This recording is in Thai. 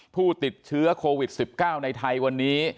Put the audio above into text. ผู้ติดเชื้อโควิด๑๙ในไทยวันนี้